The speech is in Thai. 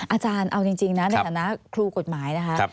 อาจารย์เอาจริงนะในฐานะครูกฎหมายนะคะ